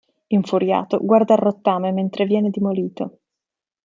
Infuriato, guarda il rottame mentre viene demolito.